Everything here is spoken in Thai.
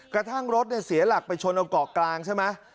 กระทั่งรถเสียหลักไปชนเอาเกาะกลางใช่ไหม